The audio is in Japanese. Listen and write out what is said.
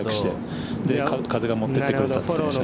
風が持っていってくれたと言っていました。